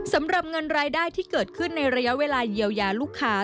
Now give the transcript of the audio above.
สำหรับเงินรายได้ที่เกิดขึ้นในระยะเวลาเยียวยาลูกค้า